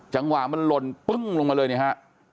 จังหวะมันลนปึ้งลงมาเลยนะฮะ